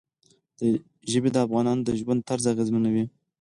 ژبې د افغانانو د ژوند طرز اغېزمنوي.